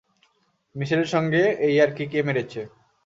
মিশেলের সঙ্গে এই ইয়ার্কি কে মেরেছে?